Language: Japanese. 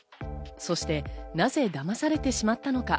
そして、なぜだまされてしまったのか？